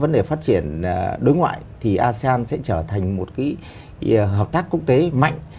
để phát triển đối ngoại thì asean sẽ trở thành một cái hợp tác quốc tế mạnh